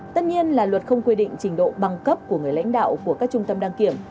tất nhiên là luật không quy định trình độ băng cấp của người lãnh đạo của các trung tâm đăng kiểm